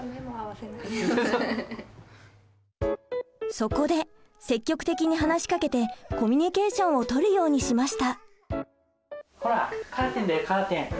そこで積極的に話しかけてコミュニケーションをとるようにしました。